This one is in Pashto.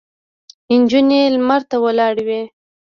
نجونې لمر ته ولاړې وې.